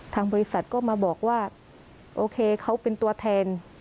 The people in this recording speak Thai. ทางบริษัทก็มาบอกว่าโอเคเขาเป็นตัวแทน